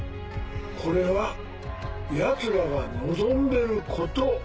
これはヤツらが望んでること。